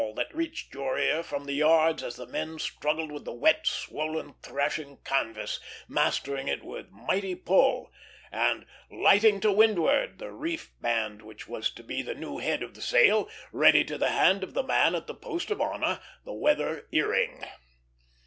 that reached your ear from the yards as the men struggled with the wet, swollen, thrashing canvas, mastering it with mighty pull, and "lighting to windward" the reef band which was to be the new head of the sail, ready to the hand of the man at the post of honor, the weather caring!